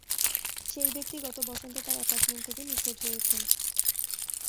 সেই ব্যাক্তি গত বসন্তে তার অ্যাপার্টমেন্ট থেকে নিখোঁজ হয়েছেন।